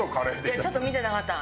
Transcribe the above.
ちょっと見てなかった。